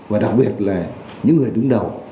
và đặc biệt là những người đứng đầu